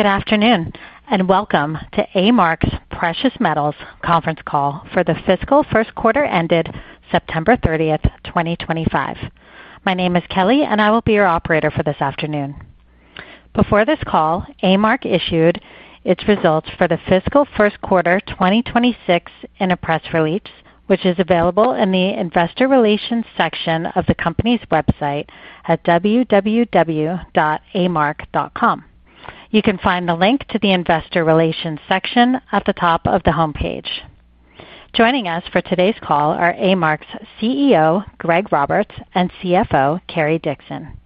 Good afternoon and welcome to A-Mark Precious Metals conference call for the fiscal first quarter ended September 30th, 2025. My name is Kelly, and I will be your operator for this afternoon. Before this call, A-Mark issued its results for the fiscal first quarter 2026 in a press release, which is available in the investor relations section of the company's website at www.A-Mark.com. You can find the link to the investor relations section at the top of the homepage. Joining us for today's call are A-Mark's CEO, Greg Roberts, and CFO, Cary Dickson.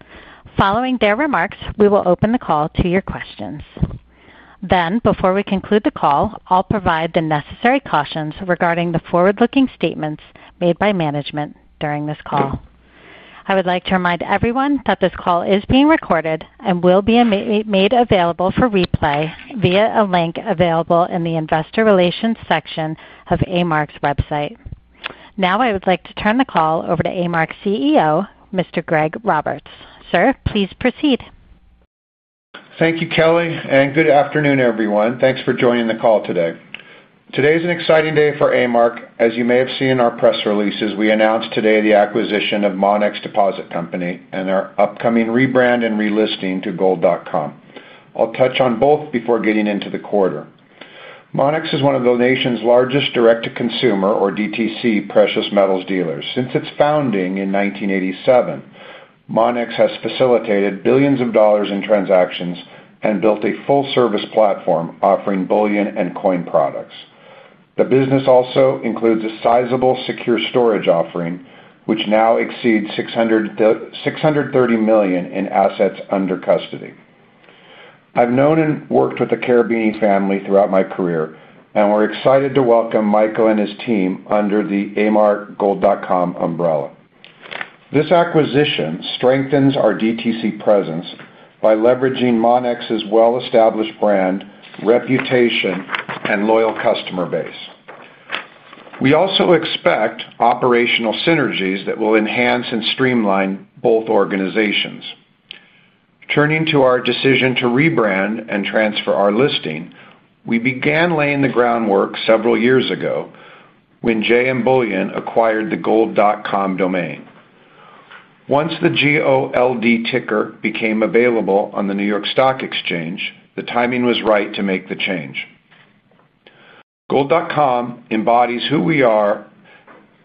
Following their remarks, we will open the call to your questions. Before we conclude the call, I'll provide the necessary cautions regarding the forward-looking statements made by management during this call. I would like to remind everyone that this call is being recorded and will be made available for replay via a link available in the investor relations section of A-Mark's website. Now, I would like to turn the call over to A-Mark's CEO, Mr. Greg Roberts. Sir, please proceed. Thank you, Kelly, and good afternoon, everyone. Thanks for joining the call today. Today is an exciting day for A-Mark. As you may have seen in our press releases, we announced today the acquisition of Monex Deposit Company and their upcoming rebrand and relisting to Gold.com. I'll touch on both before getting into the quarter. Monex is one of the nation's largest direct-to-consumer, or DTC, precious metals dealers. Since its founding in 1987, Monex has facilitated billions of dollars in transactions and built a full-service platform offering bullion and coin products. The business also includes a sizable secure storage offering, which now exceeds $630 million in assets under custody. I've known and worked with the Carabini family throughout my career, and we're excited to welcome Michael and his team under the A-Mark Gold.com umbrella. This acquisition strengthens our DTC presence by leveraging Monex's well-established brand, reputation, and loyal customer base. We also expect operational synergies that will enhance and streamline both organizations. Turning to our decision to rebrand and transfer our listing, we began laying the groundwork several years ago when JM Bullion acquired the Gold.com domain. Once the G-O-L-D ticker became available on the New York Stock Exchange, the timing was right to make the change. Gold.com embodies who we are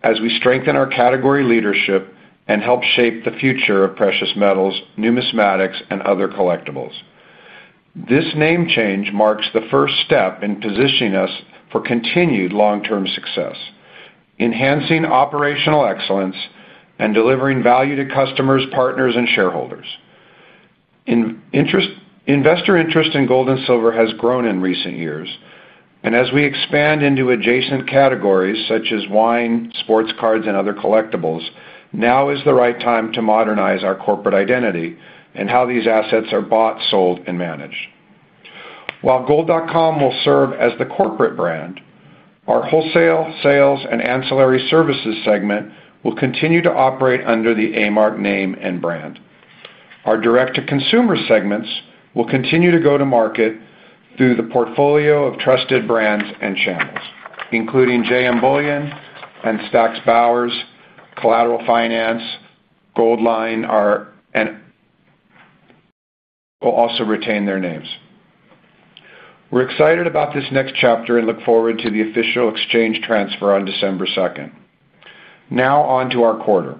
as we strengthen our category leadership and help shape the future of precious metals, numismatics, and other collectibles. This name change marks the first step in positioning us for continued long-term success, enhancing operational excellence and delivering value to customers, partners, and shareholders. Investor interest in gold and silver has grown in recent years, and as we expand into adjacent categories such as wine, sports cards, and other collectibles, now is the right time to modernize our corporate identity and how these assets are bought, sold, and managed. While Gold.com will serve as the corporate brand, our wholesale sales and ancillary services segment will continue to operate under the A-Mark name and brand. Our direct-to-consumer segments will continue to go to market through the portfolio of trusted brands and channels, including JM Bullion and Stack's Bowers, Collateral Finance, Goldline, and. We'll also retain their names. We're excited about this next chapter and look forward to the official exchange transfer on December 2nd. Now, on to our quarter.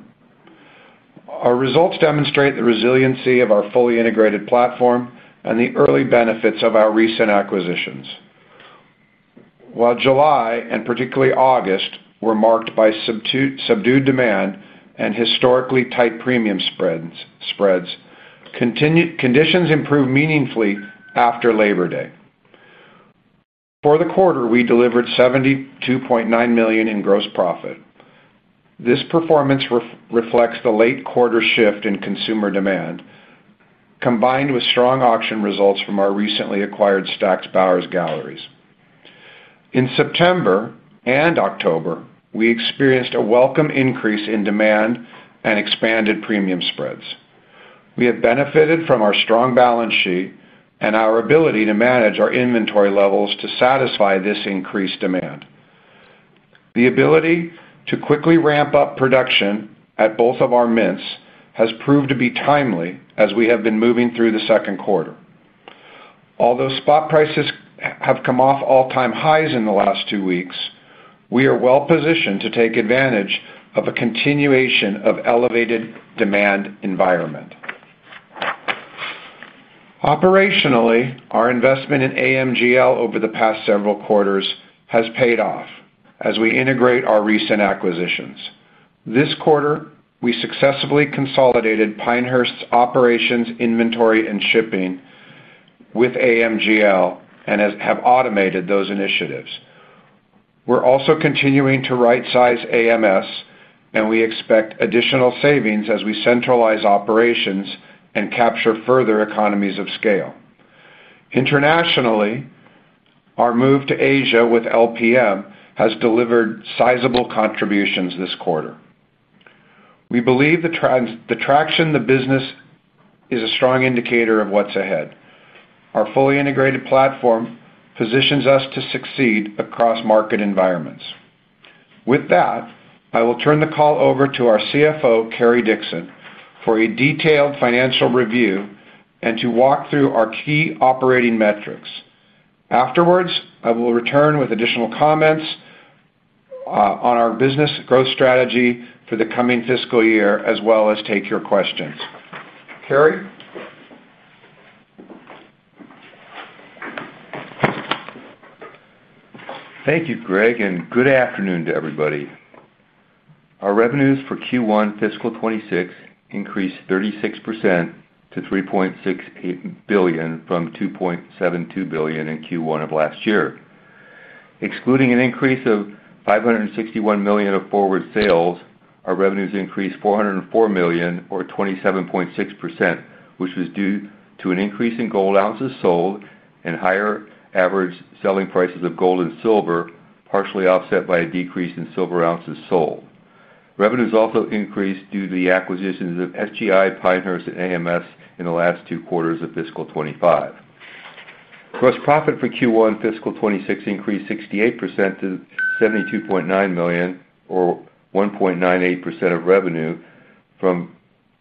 Our results demonstrate the resiliency of our fully integrated platform and the early benefits of our recent acquisitions. While July and particularly August were marked by subdued demand and historically tight premium spreads, conditions improved meaningfully after Labor Day. For the quarter, we delivered $72.9 million in gross profit. This performance reflects the late quarter shift in consumer demand. Combined with strong auction results from our recently acquired Stack's Bowers Galleries. In September and October, we experienced a welcome increase in demand and expanded premium spreads. We have benefited from our strong balance sheet and our ability to manage our inventory levels to satisfy this increased demand. The ability to quickly ramp up production at both of our mints has proved to be timely as we have been moving through the second quarter. Although spot prices have come off all-time highs in the last two weeks, we are well-positioned to take advantage of a continuation of elevated demand environment. Operationally, our investment in AMGL over the past several quarters has paid off as we integrate our recent acquisitions. This quarter, we successfully consolidated Pinehurst's operations, inventory, and shipping with AMGL and have automated those initiatives. We're also continuing to right-size AMS, and we expect additional savings as we centralize operations and capture further economies of scale. Internationally, our move to Asia with LPM has delivered sizable contributions this quarter. We believe the traction the business is a strong indicator of what's ahead. Our fully integrated platform positions us to succeed across market environments. With that, I will turn the call over to our CFO, Cary Dickson, for a detailed financial review and to walk through our key operating metrics. Afterwards, I will return with additional comments on our business growth strategy for the coming fiscal year, as well as take your questions. Cary? Thank you, Greg, and good afternoon to everybody. Our revenues for Q1 fiscal 2026 increased 36% to $3.68 billion from $2.72 billion in Q1 of last year. Excluding an increase of $561 million of forward sales, our revenues increased $404 million, or 27.6%, which was due to an increase in gold ounces sold and higher average selling prices of gold and silver, partially offset by a decrease in silver ounces sold. Revenues also increased due to the acquisitions of SGI, Pinehurst, and AMS in the last two quarters of fiscal 2025. Gross profit for Q1 fiscal 2026 increased 68% to $72.9 million, or 1.98% of revenue, from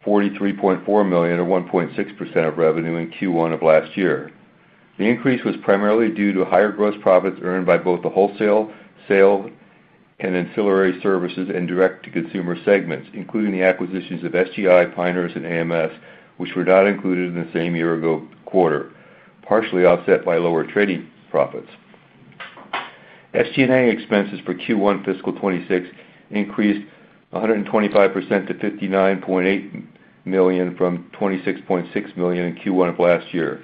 $43.4 million, or 1.6% of revenue in Q1 of last year. The increase was primarily due to higher gross profits earned by both the wholesale, sale, and ancillary services and direct-to-consumer segments, including the acquisitions of SGI, Pinehurst, and AMS, which were not included in the same year-ago quarter, partially offset by lower trading profits. SG&A expenses for Q1 fiscal 2026 increased 125% to $59.8 million from $26.6 million in Q1 of last year.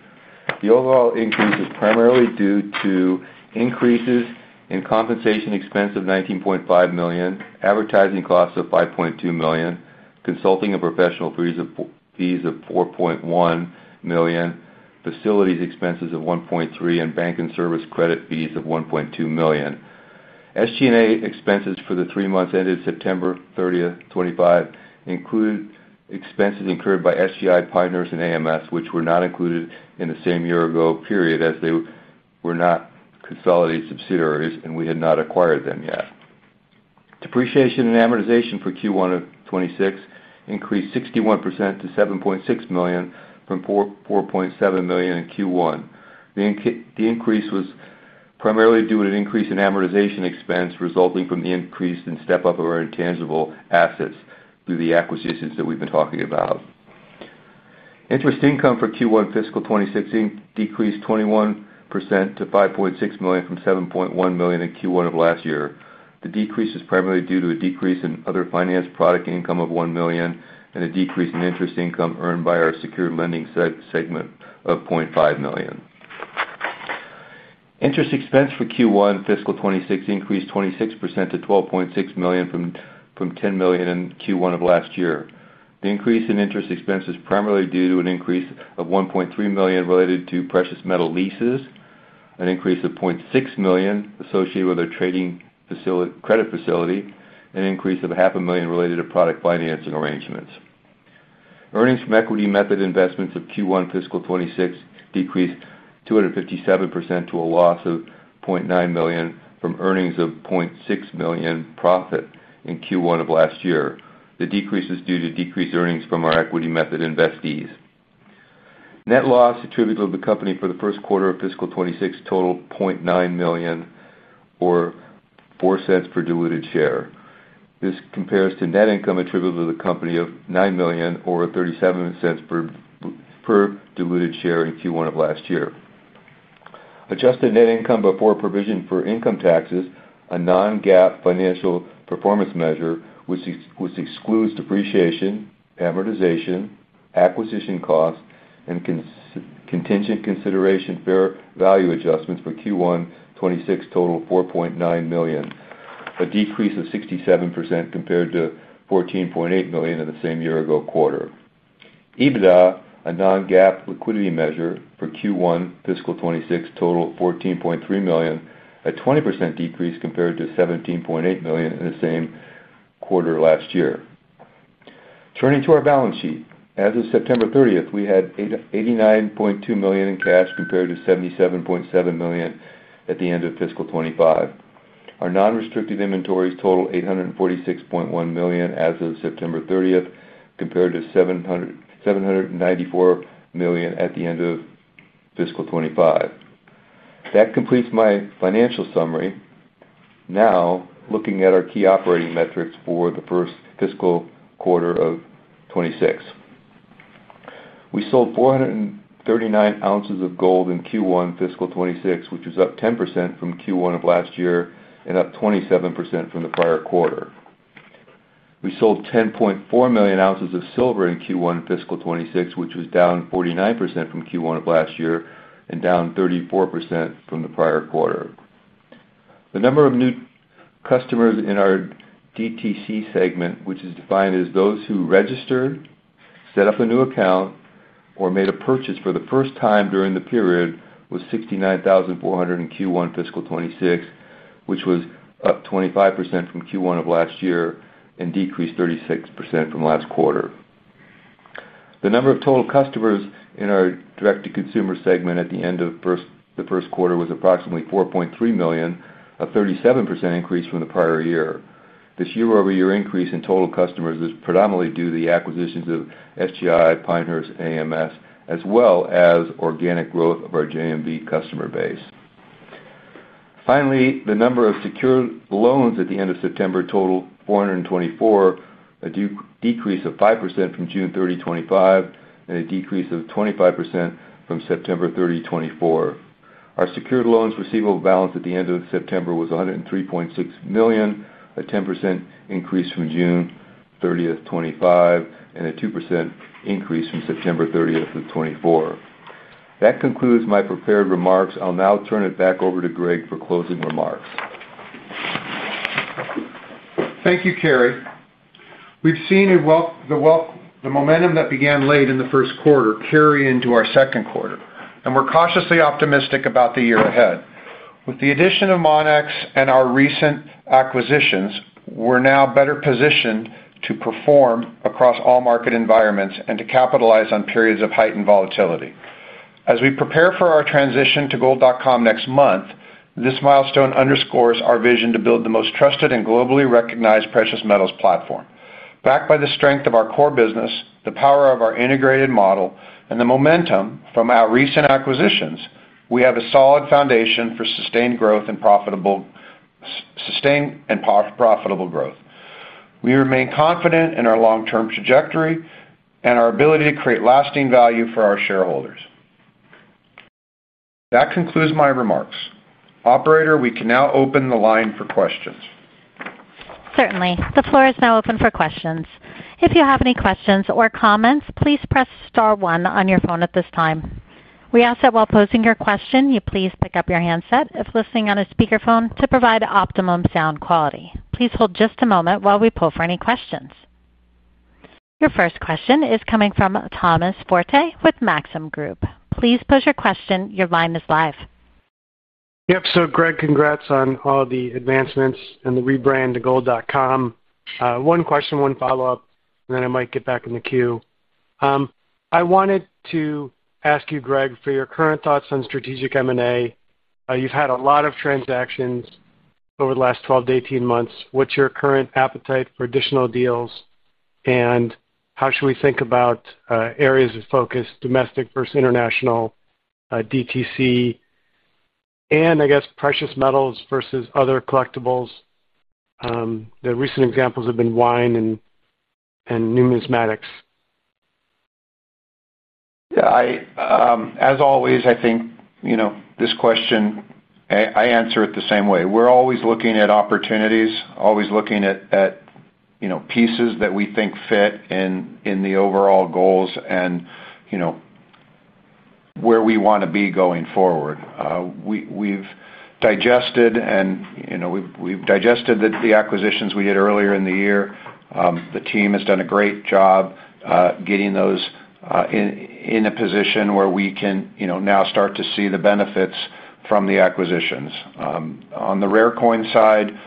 The overall increase is primarily due to increases in compensation expense of $19.5 million, advertising costs of $5.2 million, consulting and professional fees of $4.1 million, facilities expenses of $1.3 million, and bank and service credit fees of $1.2 million. SG&A expenses for the three months ended September 30, 2025 included expenses incurred by SGI, Pinehurst, and AMS, which were not included in the same year-ago period as they were not consolidated subsidiaries, and we had not acquired them yet. Depreciation and amortization for Q1 of 2026 increased 61% to $7.6 million from $4.7 million in Q1. The increase was primarily due to an increase in amortization expense resulting from the increase in step-up of our intangible assets through the acquisitions that we've been talking about. Interest income for Q1 fiscal 2026 decreased 21% to $5.6 million from $7.1 million in Q1 of last year. The decrease is primarily due to a decrease in other finance product income of $1 million and a decrease in interest income earned by our secured lending segment of $0.5 million. Interest expense for Q1 fiscal 2026 increased 26% to $12.6 million from $10 million in Q1 of last year. The increase in interest expense is primarily due to an increase of $1.3 million related to precious metal leases, an increase of $600,000 associated with our trading credit facility, and an increase of $500,000 related to product financing arrangements. Earnings from equity method investments of Q1 fiscal 2026 decreased 257% to a loss of $900,000 from earnings of $600,000 profit in Q1 of last year. The decrease is due to decreased earnings from our equity method investees. Net loss attributable to the company for the first quarter of fiscal 2026 totaled $900,000, or $0.04 per diluted share. This compares to net income attributable to the company of $9 million, or $0.37 per diluted share in Q1 of last year. Adjusted net income before provision for income taxes, a non-GAAP financial performance measure, which excludes depreciation, amortization, acquisition costs, and. Contingent consideration fair value adjustments for Q1 2026 totaled $4.9 million, a decrease of 67% compared to $14.8 million in the same year-ago quarter. EBITDA, a non-GAAP liquidity measure, for Q1 fiscal 2026 totaled $14.3 million, a 20% decrease compared to $17.8 million in the same quarter last year. Turning to our balance sheet, as of September 30th, we had $89.2 million in cash compared to $77.7 million at the end of fiscal 2025. Our non-restricted inventories totaled $846.1 million as of September 30th compared to $794 million at the end of fiscal 2025. That completes my financial summary. Now, looking at our key operating metrics for the first fiscal quarter of 2026. We sold 439 ounces of gold in Q1 fiscal 2026, which was up 10% from Q1 of last year and up 27% from the prior quarter. We sold 10.4 million ounces of silver in Q1 fiscal 2026, which was down 49% from Q1 of last year and down 34% from the prior quarter. The number of new customers in our DTC segment, which is defined as those who registered, set up a new account, or made a purchase for the first time during the period, was 69,400 in Q1 fiscal 2026, which was up 25% from Q1 of last year and decreased 36% from last quarter. The number of total customers in our direct-to-consumer segment at the end of the first quarter was approximately 4.3 million, a 37% increase from the prior year. This year-over-year increase in total customers is predominantly due to the acquisitions of SGI, Pinehurst, AMS, as well as organic growth of our JM Bullion customer base. Finally, the number of secured loans at the end of September totaled 424, a decrease of 5% from June 30, 2025, and a decrease of 25% from September 30, 2024. Our secured loans receivable balance at the end of September was $103.6 million, a 10% increase from June 30th, 2025, and a 2% increase from September 30th, 2024. That concludes my prepared remarks. I'll now turn it back over to Greg for closing remarks. Thank you, Cary. We've seen the momentum that began late in the first quarter carry into our second quarter, and we're cautiously optimistic about the year ahead. With the addition of Monex and our recent acquisitions, we're now better positioned to perform across all market environments and to capitalize on periods of heightened volatility. As we prepare for our transition to Gold.com next month, this milestone underscores our vision to build the most trusted and globally recognized precious metals platform. Backed by the strength of our core business, the power of our integrated model, and the momentum from our recent acquisitions, we have a solid foundation for sustained growth and profitable growth. We remain confident in our long-term trajectory and our ability to create lasting value for our shareholders. That concludes my remarks. Operator, we can now open the line for questions. Certainly. The floor is now open for questions. If you have any questions or comments, please press star one on your phone at this time. We ask that while posing your question, you please pick up your handset if listening on a speakerphone to provide optimum sound quality. Please hold just a moment while we pull for any questions. Your first question is coming from Thomas Forte with Maxim Group. Please pose your question. Your line is live. Yep. Greg, congrats on all the advancements and the rebrand to Gold.com. One question, one follow-up, and then I might get back in the queue. I wanted to ask you, Greg, for your current thoughts on strategic M&A. You've had a lot of transactions over the last 12 to 18 months. What's your current appetite for additional deals, and how should we think about areas of focus, domestic versus international, DTC, and I guess precious metals versus other collectibles? The recent examples have been wine and numismatics. Yeah. As always, I think this question, I answer it the same way. We're always looking at opportunities, always looking at pieces that we think fit in the overall goals and where we want to be going forward. We've digested the acquisitions we did earlier in the year. The team has done a great job getting those in a position where we can now start to see the benefits from the acquisitions. On the rare coin side,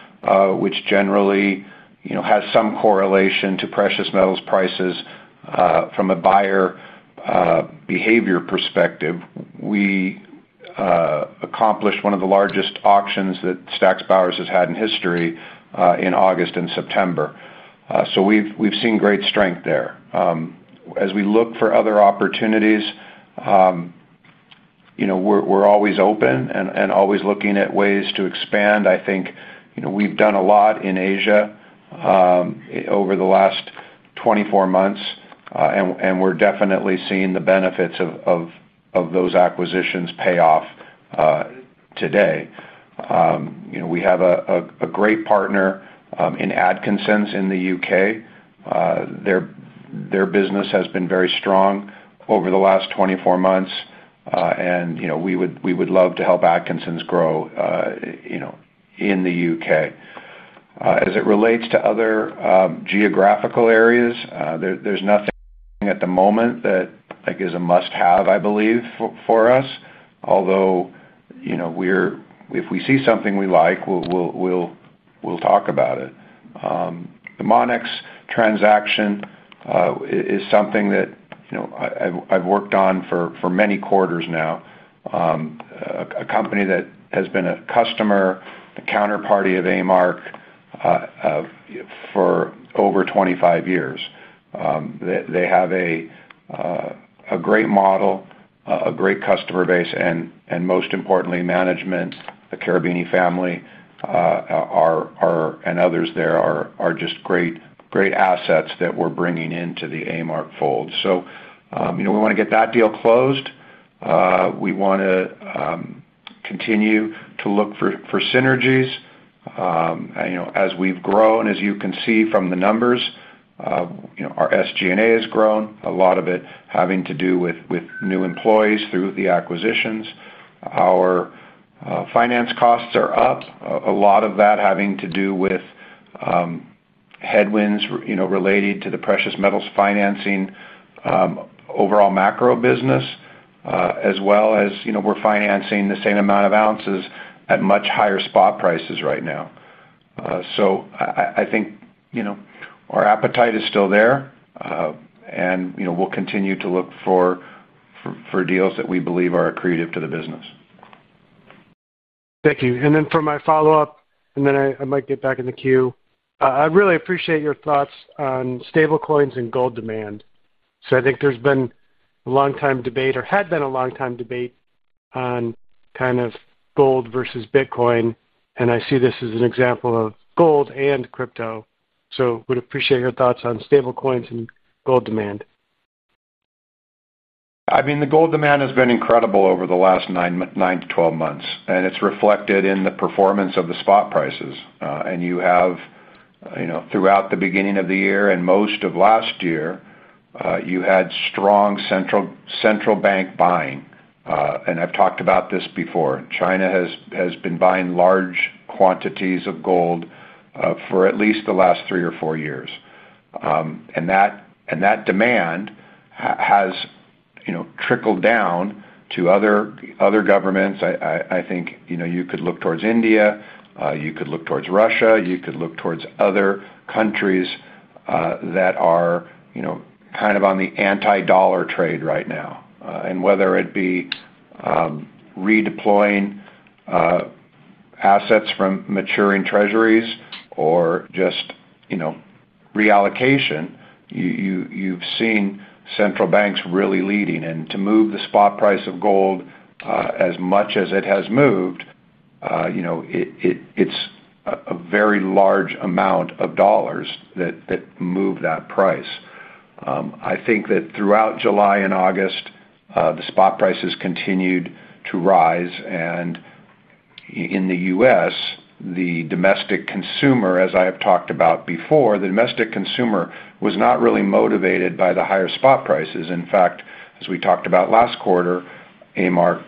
which generally has some correlation to precious metals prices from a buyer behavior perspective, we accomplished one of the largest auctions that Stack's Bowers Galleries has had in history in August and September. We have seen great strength there. As we look for other opportunities, we're always open and always looking at ways to expand. I think we've done a lot in Asia. Over the last 24 months, and we're definitely seeing the benefits of those acquisitions pay off. Today, we have a great partner in Atkinsons in the U.K. Their business has been very strong over the last 24 months, and we would love to help Atkinsons grow in the U.K. As it relates to other geographical areas, there's nothing at the moment that is a must-have, I believe, for us, although if we see something we like, we'll talk about it. The Monex transaction is something that I've worked on for many quarters now. A company that has been a customer, a counterparty of A-Mark for over 25 years. They have a great model, a great customer base, and most importantly, management, the Carabini family and others there are just great assets that we're bringing into the A-Mark fold. We want to get that deal closed. We want to. Continue to look for synergies. As we've grown, as you can see from the numbers, our SG&A has grown, a lot of it having to do with new employees through the acquisitions. Our finance costs are up, a lot of that having to do with headwinds related to the precious metals financing, overall macro business, as well as we're financing the same amount of ounces at much higher spot prices right now. I think our appetite is still there, and we'll continue to look for deals that we believe are accretive to the business. Thank you. For my follow-up, and then I might get back in the queue, I really appreciate your thoughts on stablecoins and gold demand. I think there's been a long-time debate or had been a long-time debate on kind of gold versus Bitcoin, and I see this as an example of gold and crypto. I would appreciate your thoughts on stablecoins and gold demand. I mean, the gold demand has been incredible over the last nine to 12 months, and it's reflected in the performance of the spot prices. You have, throughout the beginning of the year and most of last year, strong central bank buying. I've talked about this before. China has been buying large quantities of gold for at least the last three or four years. That demand has trickled down to other governments. I think you could look towards India, you could look towards Russia, you could look towards other countries that are kind of on the anti-dollar trade right now. Whether it be redeploying assets from maturing treasuries or just reallocation, you've seen central banks really leading. To move the spot price of gold as much as it has moved, it's a very large amount of dollars that move that price. I think that throughout July and August, the spot prices continued to rise. In the U.S., the domestic consumer, as I have talked about before, the domestic consumer was not really motivated by the higher spot prices. In fact, as we talked about last quarter, A-Mark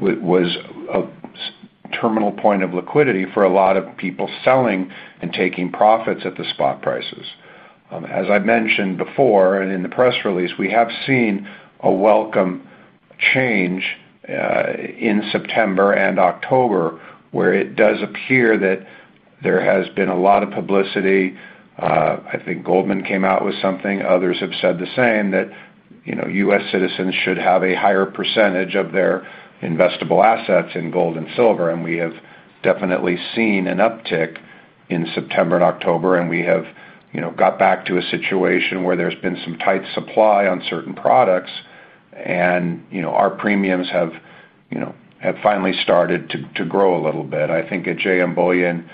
was a terminal point of liquidity for a lot of people selling and taking profits at the spot prices. As I mentioned before and in the press release, we have seen a welcome change in September and October where it does appear that there has been a lot of publicity. I think Goldman came out with something. Others have said the same, that U.S. citizens should have a higher percentage of their investable assets in gold and silver. We have definitely seen an uptick in September and October, and we have got back to a situation where there has been some tight supply on certain products, and our premiums have finally started to grow a little bit. I think at JM Bullion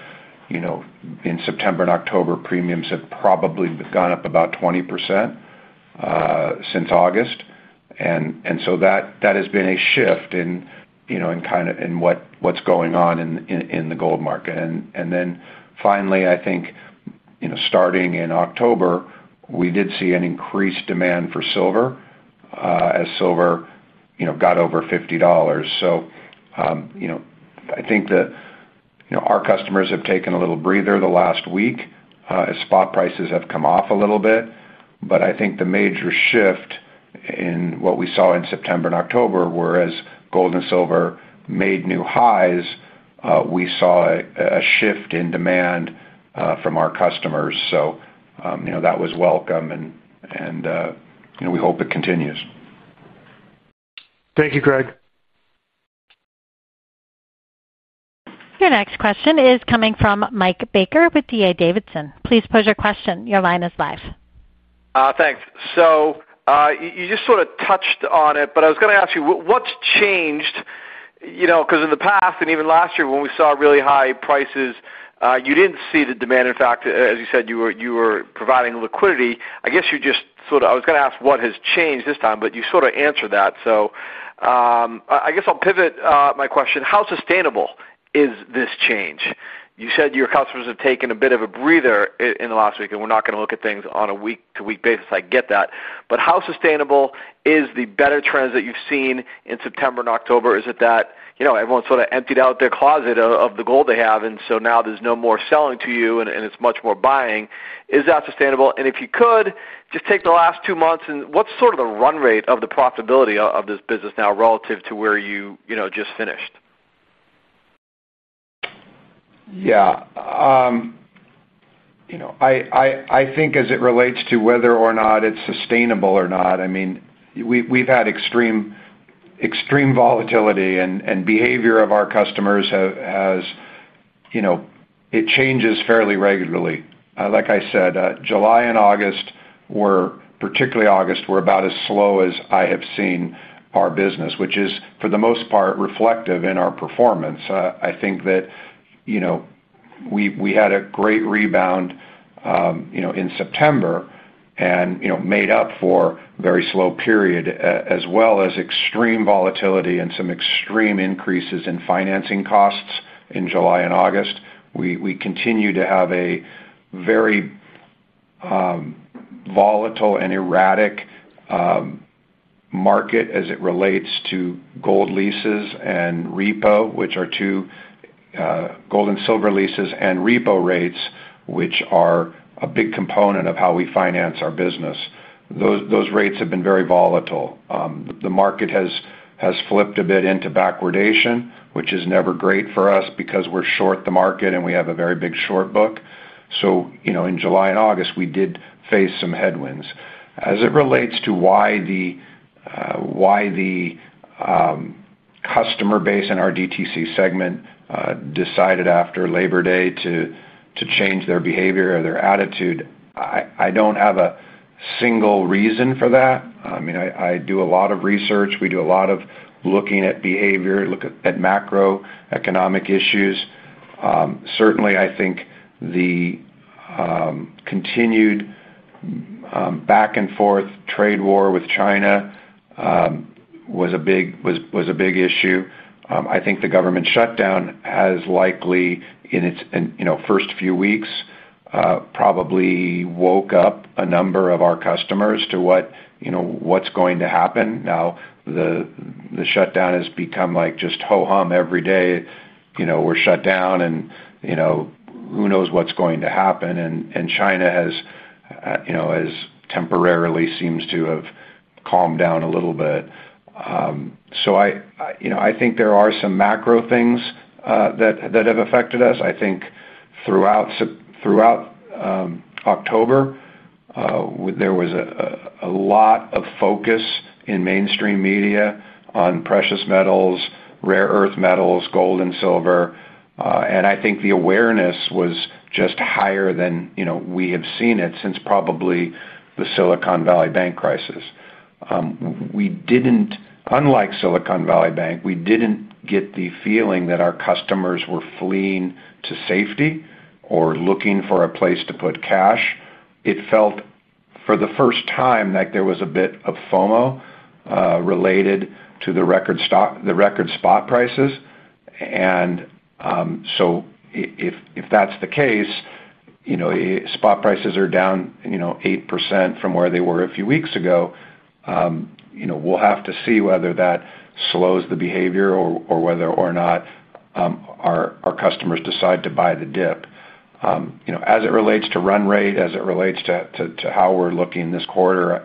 in September and October, premiums have probably gone up about 20% since August. That has been a shift in kind of what is going on in the gold market. Finally, I think starting in October, we did see an increased demand for silver as silver got over $50. I think that our customers have taken a little breather the last week as spot prices have come off a little bit. I think the major shift in what we saw in September and October, whereas gold and silver made new highs, was that we saw a shift in demand from our customers. That was welcome, and we hope it continues. Thank you, Greg. Your next question is coming from Mike Baker with D.A. Davidson. Please pose your question. Your line is live. Thanks. You just sort of touched on it, but I was going to ask you, what's changed? Because in the past and even last year when we saw really high prices, you didn't see the demand. In fact, as you said, you were providing liquidity. I guess you just sort of—I was going to ask what has changed this time, but you sort of answered that. I guess I'll pivot my question. How sustainable is this change? You said your customers have taken a bit of a breather in the last week, and we're not going to look at things on a week-to-week basis. I get that. How sustainable is the better trends that you've seen in September and October? Is it that everyone sort of emptied out their closet of the gold they have, and so now there's no more selling to you, and it's much more buying? Is that sustainable? If you could, just take the last two months and what's sort of the run rate of the profitability of this business now relative to where you just finished? Yeah. I think as it relates to whether or not it's sustainable or not, I mean, we've had extreme volatility, and behavior of our customers has—it changes fairly regularly. Like I said, July and August, particularly August, were about as slow as I have seen our business, which is, for the most part, reflective in our performance. I think that we had a great rebound in September and made up for a very slow period, as well as extreme volatility and some extreme increases in financing costs in July and August. We continue to have a very volatile and erratic market as it relates to gold leases and repo, which are two—gold and silver leases, and repo rates, which are a big component of how we finance our business. Those rates have been very volatile. The market has flipped a bit into backwardation, which is never great for us because we're short the market and we have a very big short book. In July and August, we did face some headwinds. As it relates to why the customer base in our DTC segment decided after Labor Day to change their behavior or their attitude, I don't have a single reason for that. I mean, I do a lot of research. We do a lot of looking at behavior, look at macroeconomic issues. Certainly, I think the continued back-and-forth trade war with China was a big issue. I think the government shutdown has likely, in its first few weeks, probably woke up a number of our customers to what's going to happen. Now the shutdown has become just ho-hum every day. We're shut down, and who knows what's going to happen? And China has. Temporarily seems to have calmed down a little bit. I think there are some macro things that have affected us. I think throughout October, there was a lot of focus in mainstream media on precious metals, rare earth metals, gold and silver. I think the awareness was just higher than we have seen it since probably the Silicon Valley Bank crisis. Unlike Silicon Valley Bank, we did not get the feeling that our customers were fleeing to safety or looking for a place to put cash. It felt, for the first time, like there was a bit of FOMO related to the record spot prices. If that is the case, spot prices are down 8% from where they were a few weeks ago. We will have to see whether that slows the behavior or whether or not our customers decide to buy the dip. As it relates to run rate, as it relates to how we're looking this quarter,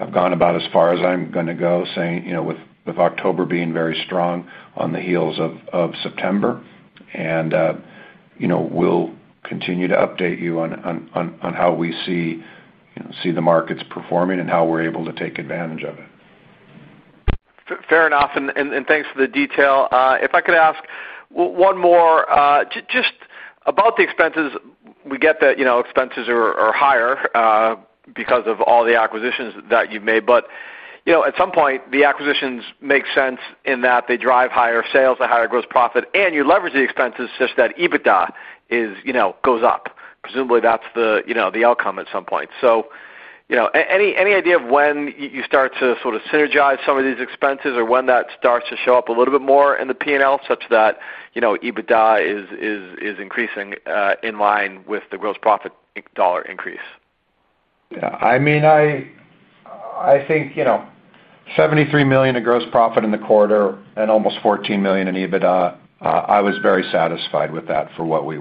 I've gone about as far as I'm going to go, saying with October being very strong on the heels of September. We will continue to update you on how we see the markets performing and how we're able to take advantage of it. Fair enough. Thanks for the detail. If I could ask one more, just about the expenses, we get that expenses are higher because of all the acquisitions that you've made. At some point, the acquisitions make sense in that they drive higher sales, a higher gross profit, and you leverage the expenses such that EBITDA goes up. Presumably, that's the outcome at some point. Any idea of when you start to sort of synergize some of these expenses or when that starts to show up a little bit more in the P&L such that EBITDA is increasing in line with the gross profit dollar increase? Yeah. I mean. I think. $73 million in gross profit in the quarter and almost $14 million in EBITDA. I was very satisfied with that for what we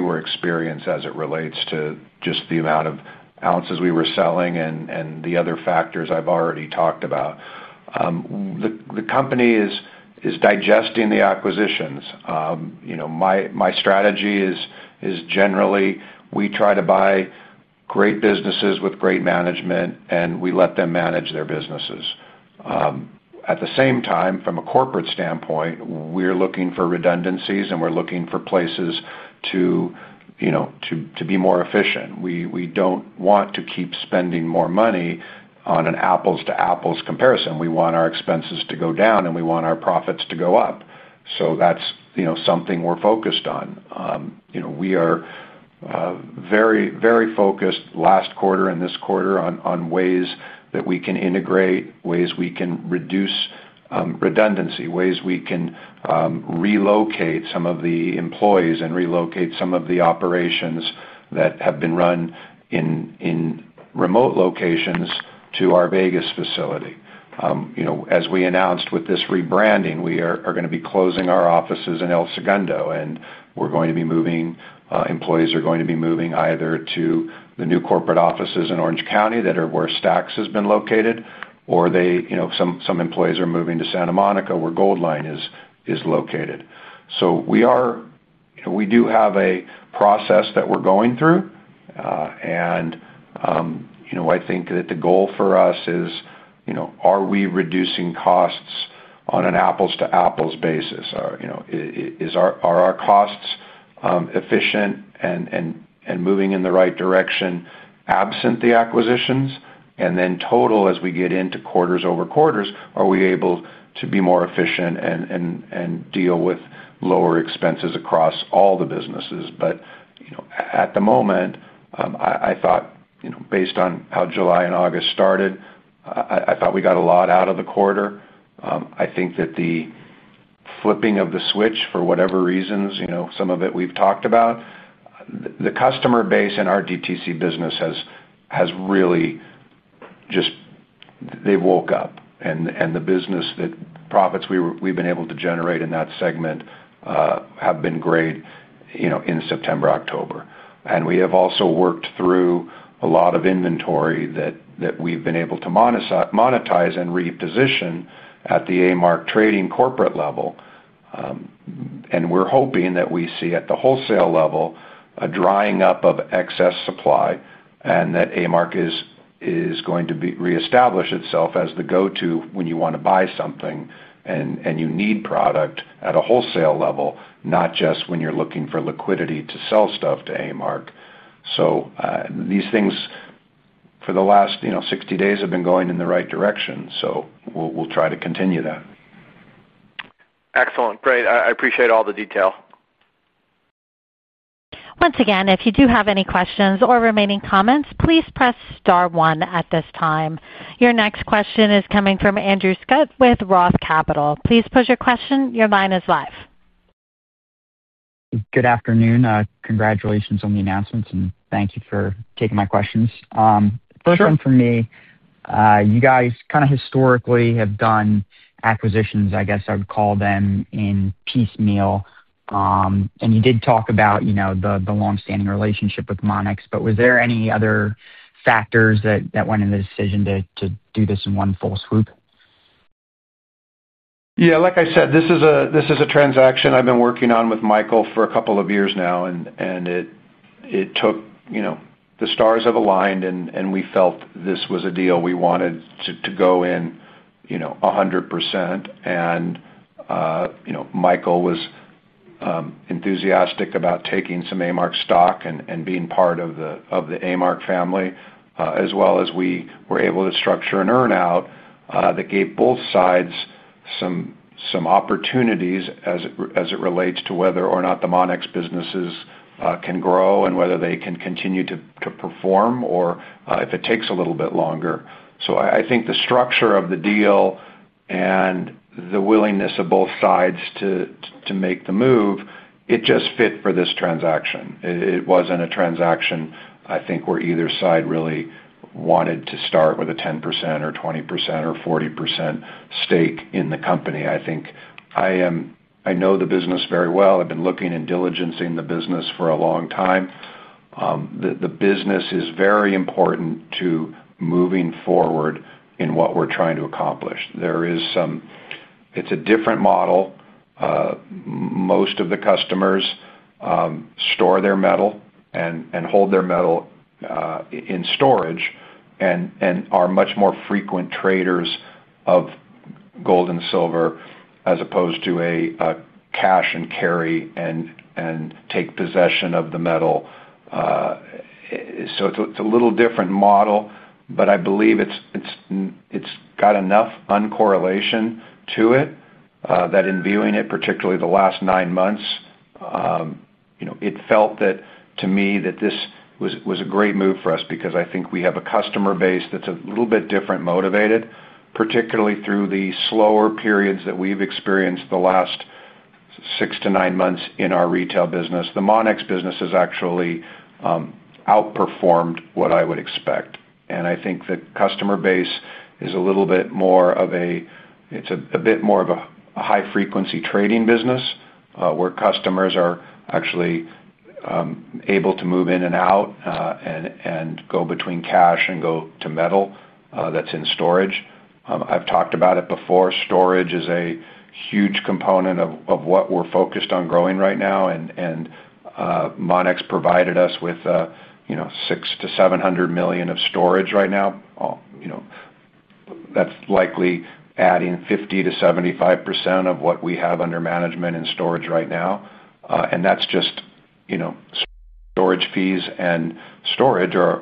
were experiencing as it relates to just the amount of ounces we were selling and the other factors I've already talked about. The company is digesting the acquisitions. My strategy is generally we try to buy great businesses with great management, and we let them manage their businesses. At the same time, from a corporate standpoint, we're looking for redundancies, and we're looking for places to be more efficient. We don't want to keep spending more money on an apples-to-apples comparison. We want our expenses to go down, and we want our profits to go up. That's something we're focused on. We are very focused last quarter and this quarter on ways that we can integrate, ways we can reduce. Redundancy, ways we can. Relocate some of the employees and relocate some of the operations that have been run in remote locations to our Vegas facility. As we announced with this rebranding, we are going to be closing our offices in El Segundo, and we're going to be moving. Employees are going to be moving either to the new corporate offices in Orange County that are where Stack's has been located, or some employees are moving to Santa Monica where Goldline is located. We do have a process that we're going through. I think that the goal for us is, are we reducing costs on an apples-to-apples basis? Are our costs efficient and moving in the right direction, absent the acquisitions? In total, as we get into quarters over quarters, are we able to be more efficient and deal with lower expenses across all the businesses? At the moment, I thought, based on how July and August started, I thought we got a lot out of the quarter. I think that the flipping of the switch, for whatever reasons, some of it we've talked about. The customer base in our DTC business has really just, they've woke up. And the business, the profits we've been able to generate in that segment have been great in September, October. We have also worked through a lot of inventory that we've been able to monetize and reposition at the A-Mark trading corporate level. We are hoping that we see at the wholesale level a drying up of excess supply and that A-Mark is going to reestablish itself as the go-to when you want to buy something and you need product at a wholesale level, not just when you're looking for liquidity to sell stuff to A-Mark. These things, for the last 60 days, have been going in the right direction. We'll try to continue that. Excellent. Great. I appreciate all the detail. Once again, if you do have any questions or remaining comments, please press star one at this time. Your next question is coming from Andrew Scutt with ROTH Capital. Please pose your question. Your line is live. Good afternoon. Congratulations on the announcements, and thank you for taking my questions. First one for me, you guys kind of historically have done acquisitions, I guess I would call them, in piecemeal. You did talk about the long-standing relationship with Monex, but was there any other factors that went into the decision to do this in one full swoop? Yeah. Like I said, this is a transaction I've been working on with Michael for a couple of years now, and it took. The stars have aligned, and we felt this was a deal we wanted to go in 100%. Michael was enthusiastic about taking some A-Mark stock and being part of the A-Mark family, as well as we were able to structure an earn-out that gave both sides some opportunities as it relates to whether or not the Monex businesses can grow and whether they can continue to perform or if it takes a little bit longer. I think the structure of the deal and the willingness of both sides to make the move, it just fit for this transaction. It wasn't a transaction, I think, where either side really wanted to start with a 10% or 20% or 40% stake in the company. I think I know the business very well. I've been looking and diligencing the business for a long time. The business is very important to moving forward in what we're trying to accomplish. It's a different model. Most of the customers store their metal and hold their metal in storage and are much more frequent traders of gold and silver as opposed to a cash and carry and take possession of the metal. It's a little different model, but I believe it's got enough uncorrelation to it that in viewing it, particularly the last nine months, it felt to me that this was a great move for us because I think we have a customer base that's a little bit different motivated, particularly through the slower periods that we've experienced the last six to nine months in our retail business. The Monex business has actually. Outperformed what I would expect. I think the customer base is a little bit more of a—it is a bit more of a high-frequency trading business, where customers are actually able to move in and out and go between cash and go to metal that is in storage. I have talked about it before. Storage is a huge component of what we are focused on growing right now. Monex provided us with $600 million-$700 million of storage right now. That is likely adding 50%-75% of what we have under management and storage right now. That is just storage fees, and storage is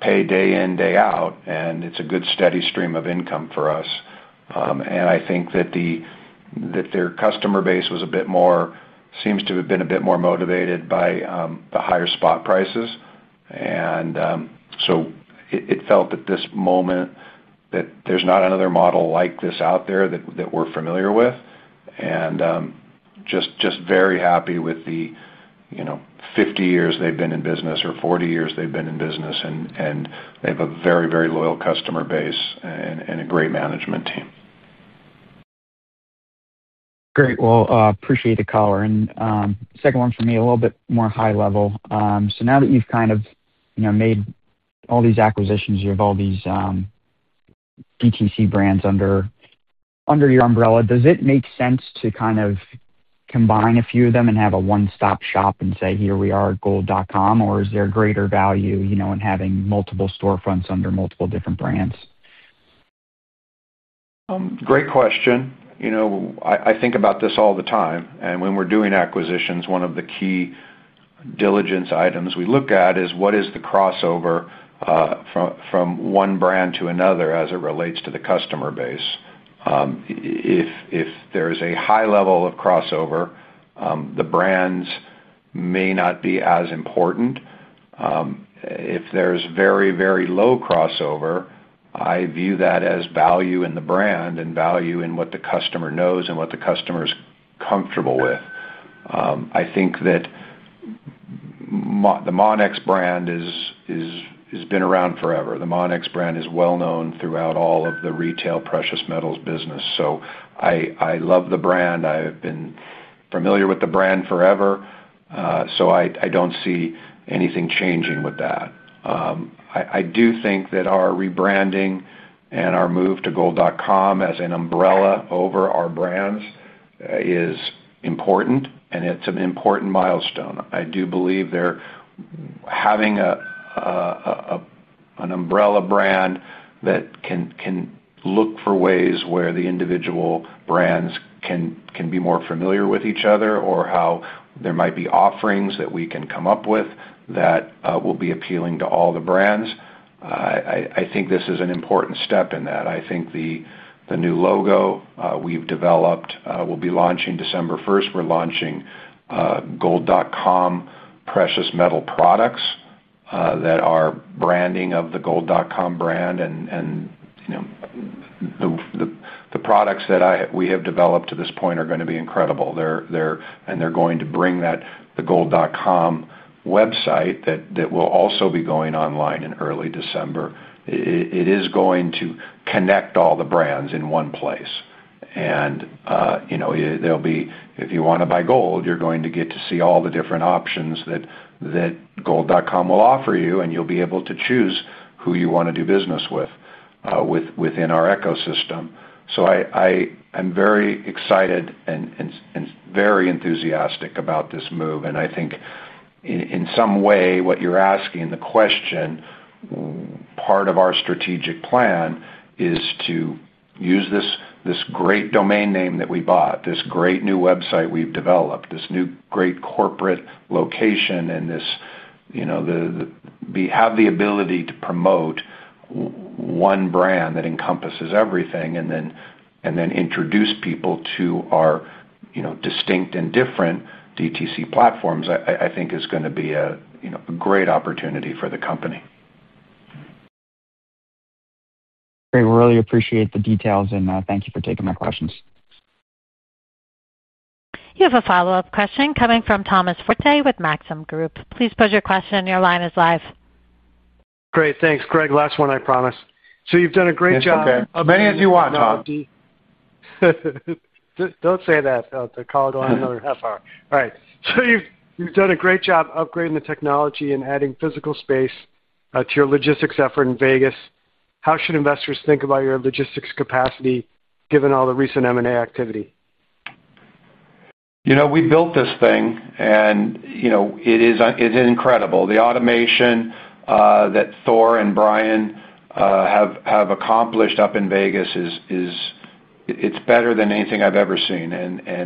paid day in, day out, and it is a good steady stream of income for us. I think that their customer base was a bit more—seems to have been a bit more motivated by the higher spot prices. It felt at this moment that there's not another model like this out there that we're familiar with. Just very happy with the 50 years they've been in business or 40 years they've been in business, and they have a very, very loyal customer base and a great management team. Great. I appreciate the call. Second one for me, a little bit more high level. Now that you've kind of made all these acquisitions, you have all these DTC brands under your umbrella, does it make sense to kind of combine a few of them and have a one-stop shop and say, "Here we are, Gold.com"? Or is there greater value in having multiple storefronts under multiple different brands? Great question. I think about this all the time. When we're doing acquisitions, one of the key diligence items we look at is what is the crossover from one brand to another as it relates to the customer base. If there is a high level of crossover, the brands may not be as important. If there's very, very low crossover, I view that as value in the brand and value in what the customer knows and what the customer is comfortable with. I think that the Monex brand has been around forever. The Monex brand is well-known throughout all of the retail precious metals business. I love the brand. I've been familiar with the brand forever. I don't see anything changing with that. I do think that our rebranding and our move to Gold.com as an umbrella over our brands is important, and it's an important milestone. I do believe they're having an umbrella brand that can look for ways where the individual brands can be more familiar with each other or how there might be offerings that we can come up with that will be appealing to all the brands. I think this is an important step in that. I think the new logo we've developed will be launching December 1st. We're launching Gold.com Precious Metal Products that are branding of the Gold.com brand. The products that we have developed to this point are going to be incredible. They're going to bring the Gold.com website that will also be going online in early December. It is going to connect all the brands in one place. If you want to buy gold, you're going to get to see all the different options that. Gold.com will offer you, and you'll be able to choose who you want to do business with within our ecosystem. I'm very excited and very enthusiastic about this move. I think, in some way, what you're asking, the question, part of our strategic plan is to use this great domain name that we bought, this great new website we've developed, this new great corporate location, and have the ability to promote one brand that encompasses everything and then introduce people to our distinct and different DTC platforms, I think, is going to be a great opportunity for the company. Great. We really appreciate the details, and thank you for taking my questions. You have a follow-up question coming from Thomas Forte with Maxim Group. Please pose your question. Your line is live. Great. Thanks, Greg. Last one, I promise. So you've done a great job. That's okay. How many of you want to talk? Don't say that. They'll call it on another half hour. All right. So you've done a great job upgrading the technology and adding physical space to your logistics effort in Vegas. How should investors think about your logistics capacity, given all the recent M&A activity? We built this thing, and it is incredible. The automation that Thor and Brian have accomplished up in Vegas is better than anything I've ever seen.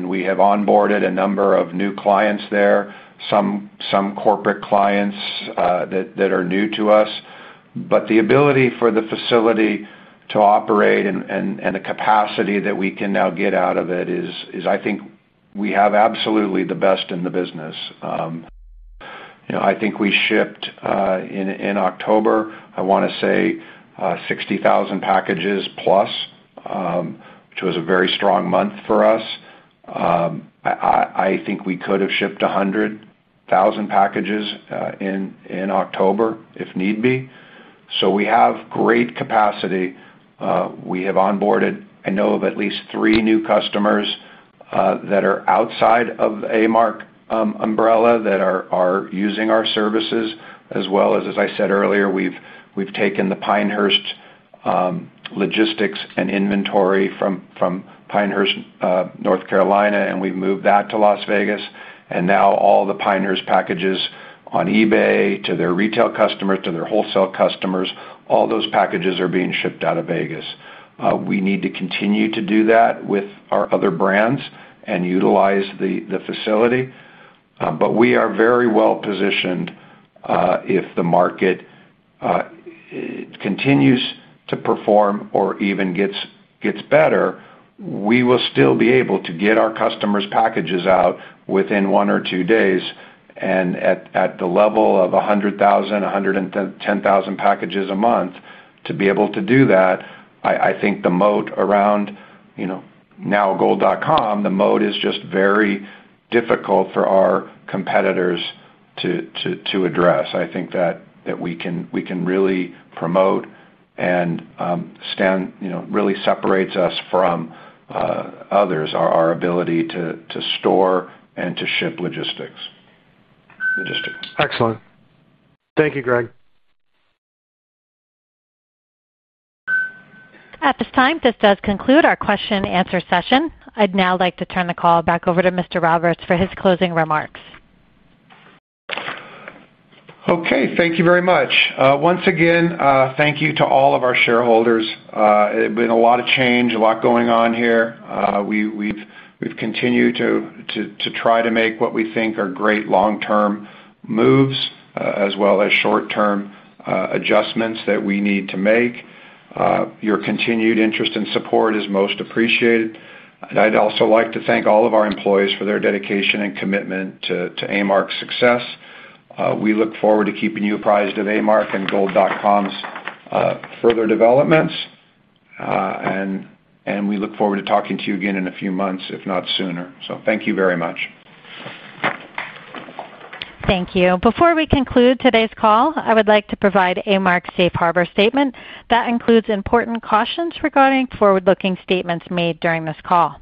We have onboarded a number of new clients there, some corporate clients that are new to us. The ability for the facility to operate and the capacity that we can now get out of it is, I think, we have absolutely the best in the business. I think we shipped in October, I want to say, 60,000 packages plus, which was a very strong month for us. I think we could have shipped 100,000 packages in October if need be. We have great capacity. We have onboarded, I know, at least three new customers that are outside of the A-Mark umbrella that are using our services, as well as, as I said earlier, we've taken the Pinehurst. Logistics and inventory from Pinehurst, North Carolina, and we've moved that to Las Vegas. Now all the Pinehurst packages on eBay to their retail customers, to their wholesale customers, all those packages are being shipped out of Vegas. We need to continue to do that with our other brands and utilize the facility. We are very well positioned. If the market continues to perform or even gets better, we will still be able to get our customers' packages out within one or two days. At the level of 100,000-110,000 packages a month, to be able to do that, I think the moat around now Gold.com, the moat is just very difficult for our competitors to address. I think that we can really promote and really separates us from others, our ability to store and to ship logistics. Excellent. Thank you, Greg. At this time, this does conclude our question-and-answer session. I'd now like to turn the call back over to Mr. Roberts for his closing remarks. Okay. Thank you very much. Once again, thank you to all of our shareholders. There's been a lot of change, a lot going on here. We've continued to try to make what we think are great long-term moves, as well as short-term adjustments that we need to make. Your continued interest and support is most appreciated. I'd also like to thank all of our employees for their dedication and commitment to A-Mark's success. We look forward to keeping you apprised of A-Mark and Gold.com's further developments. We look forward to talking to you again in a few months, if not sooner. Thank you very much. Thank you. Before we conclude today's call, I would like to provide A-Mark Safe Harbor statement that includes important cautions regarding forward-looking statements made during this call.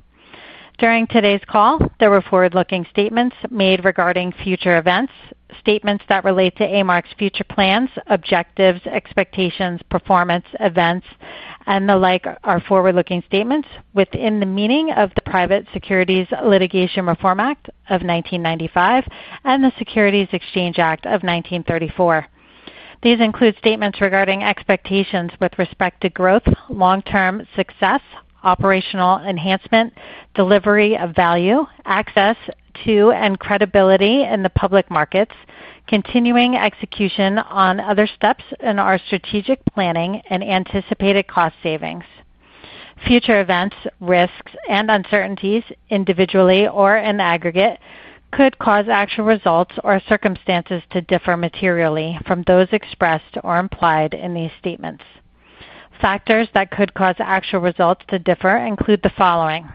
During today's call, there were forward-looking statements made regarding future events, statements that relate to A-Mark's future plans, objectives, expectations, performance, events, and the like are forward-looking statements within the meaning of the Private Securities Litigation Reform Act of 1995 and the Securities Exchange Act of 1934. These include statements regarding expectations with respect to growth, long-term success, operational enhancement, delivery of value, access to and credibility in the public markets, continuing execution on other steps in our strategic planning, and anticipated cost savings. Future events, risks, and uncertainties, individually or in aggregate, could cause actual results or circumstances to differ materially from those expressed or implied in these statements. Factors that could cause actual results to differ include the following.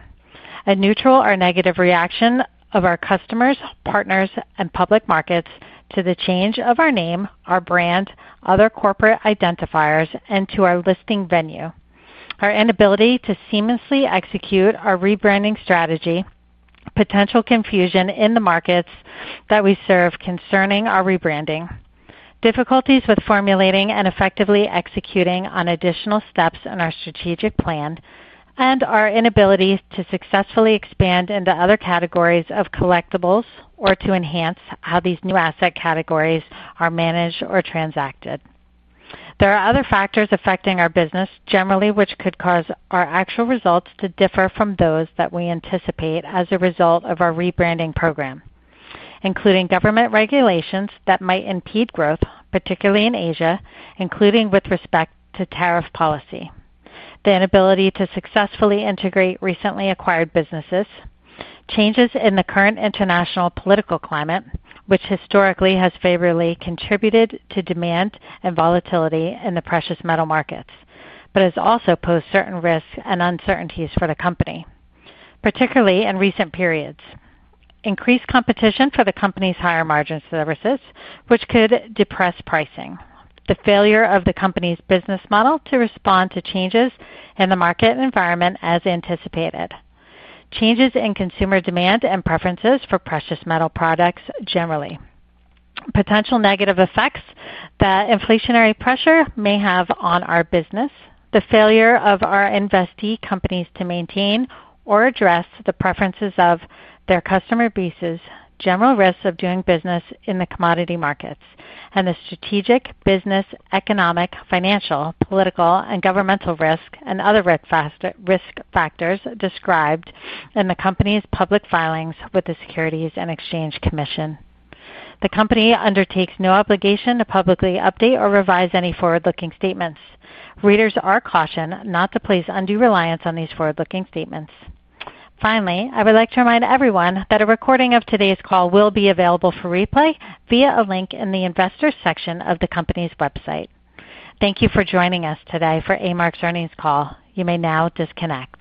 A neutral or negative reaction of our customers, partners, and public markets to the change of our name, our brand, other corporate identifiers, and to our listing venue. Our inability to seamlessly execute our rebranding strategy, potential confusion in the markets that we serve concerning our rebranding, difficulties with formulating and effectively executing on additional steps in our strategic plan, and our inability to successfully expand into other categories of collectibles or to enhance how these new asset categories are managed or transacted. There are other factors affecting our business generally which could cause our actual results to differ from those that we anticipate as a result of our rebranding program. Including government regulations that might impede growth, particularly in Asia, including with respect to tariff policy, the inability to successfully integrate recently acquired businesses, changes in the current international political climate, which historically has favorably contributed to demand and volatility in the precious metal markets, but has also posed certain risks and uncertainties for the company, particularly in recent periods. Increased competition for the company's higher margin services, which could depress pricing, the failure of the company's business model to respond to changes in the market environment as anticipated. Changes in consumer demand and preferences for precious metal products generally. Potential negative effects that inflationary pressure may have on our business, the failure of our investee companies to maintain or address the preferences of their customer bases, general risks of doing business in the commodity markets, and the strategic business, economic, financial, political, and governmental risks, and other risk factors described in the company's public filings with the Securities and Exchange Commission. The company undertakes no obligation to publicly update or revise any forward-looking statements. Readers are cautioned not to place undue reliance on these forward-looking statements. Finally, I would like to remind everyone that a recording of today's call will be available for replay via a link in the investor section of the company's website. Thank you for joining us today for A-Mark's earnings call. You may now disconnect.